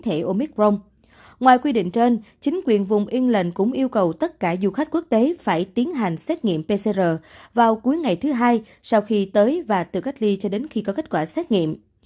theo quy định trên chính quyền vùng yên lệnh cũng yêu cầu tất cả du khách quốc tế phải tiến hành xét nghiệm pcr vào cuối ngày thứ hai sau khi tới và tự cách ly cho đến khi có kết quả xét nghiệm